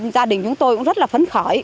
gia đình chúng tôi cũng rất là phấn khởi